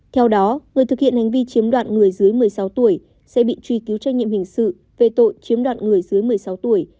theo đó người thực hiện hành vi chiếm đoạt người dưới một mươi sáu tuổi sẽ bị truy cứu trách nhiệm hình sự về tội chiếm đoạt người dưới một mươi sáu tuổi